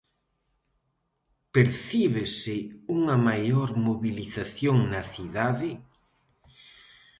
Percíbese unha maior mobilización na cidade?